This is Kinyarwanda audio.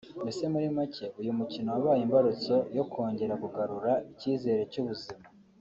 Mbese muri make uyu mukino wabaye imbarutso yo kongera kugarura icyizere cy’ubuzima